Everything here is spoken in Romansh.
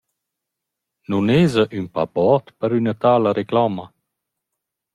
Nun esa ün pa bod per üna tala reclama?